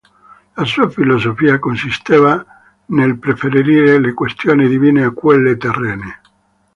La sua filosofia consisteva nel preferire le questioni divine a quelle terrene.